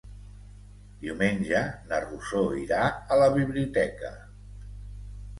Diumenge na Rosó irà a la biblioteca.